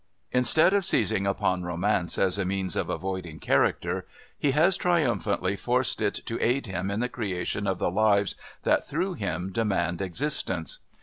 Instead of seizing upon Romance as a means of avoiding character, he has triumphantly forced it to aid him in the creation of the lives that, through him, demand existence.